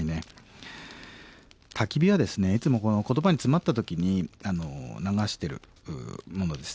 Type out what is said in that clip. たき火はですねいつも言葉に詰まった時に流してるものです。